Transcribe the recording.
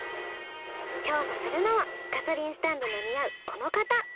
調査するのはガソリンスタンドの似合うこの方。